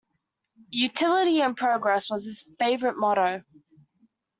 "Utility and progress" was his favourite motto.